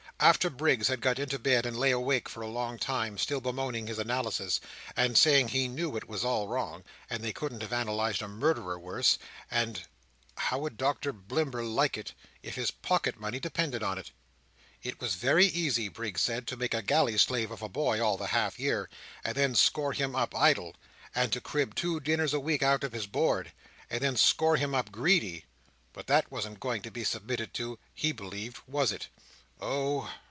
After Briggs had got into bed, he lay awake for a long time, still bemoaning his analysis, and saying he knew it was all wrong, and they couldn't have analysed a murderer worse, and—how would Doctor Blimber like it if his pocket money depended on it? It was very easy, Briggs said, to make a galley slave of a boy all the half year, and then score him up idle; and to crib two dinners a week out of his board, and then score him up greedy; but that wasn't going to be submitted to, he believed, was it? Oh!